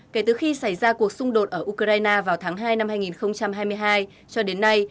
kể từ khi xảy ra cuộc xung đột ở ukraine vào tháng hai năm hai nghìn hai mươi hai cho đến nay